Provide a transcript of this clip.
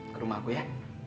ke rumahku ya